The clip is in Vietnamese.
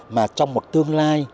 mà trong một tương lai